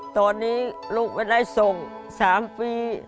ตอนนี้ลูกไม่ได้ส่ง๓ปี